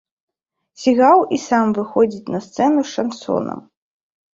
Сігаў і сам выходзіць на сцэну з шансонам.